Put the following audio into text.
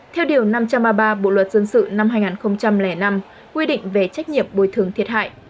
theo điều năm trăm ba mươi ba bộ luật dân sự năm hai nghìn năm quy định về trách nhiệm bồi thường thiệt hại